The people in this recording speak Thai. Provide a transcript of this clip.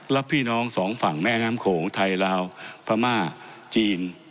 แล้วพี่น้องสองฝั่งแม่น้ำโขงไทยลาวพม่าจีน